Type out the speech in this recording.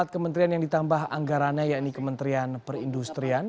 empat kementerian yang ditambah anggarannya yakni kementerian perindustrian